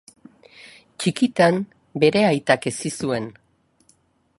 Txikitan bere aitak hezi zuen.